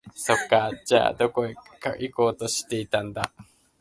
そっか、じゃあ、どこか行こうとしていたんだ